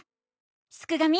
すくがミ！